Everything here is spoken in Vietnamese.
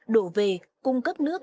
đổ về cung cấp nước